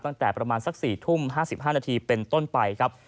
ตั้งแต่ประมาณสัก๔ทุ่ม๕๕นาทีเป็นต้นไปครับ